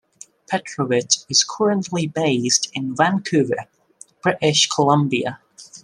Petrovich is currently based in Vancouver, British Columbia.